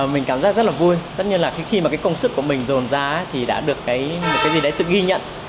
mình cảm giác rất là vui tất nhiên là khi mà cái công sức của mình dồn ra thì đã được một cái gì đấy sự ghi nhận